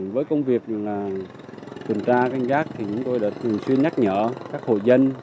với công việc kiểm tra cảnh giác thì chúng tôi đã thường xuyên nhắc nhở các hồ dân